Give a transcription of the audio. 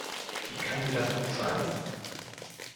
Wie kann sie das auch sein!